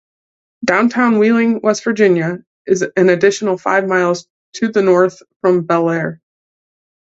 Downtown Wheeling, West Virginia, is an additional five miles to the north from Bellaire.